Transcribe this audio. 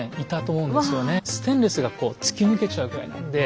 ステンレスが突き抜けちゃうぐらいなんで。